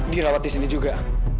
dirawat di sini juga